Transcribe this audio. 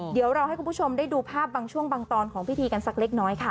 เดี๋ยวเราให้คุณผู้ชมได้ดูภาพบางช่วงบางตอนของพิธีกันสักเล็กน้อยค่ะ